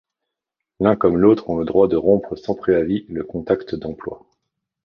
L'un comme l'autre ont le droit de rompre sans préavis le contact d'emploi.